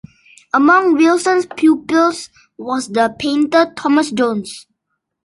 Among Wilson's pupils was the painter Thomas Jones.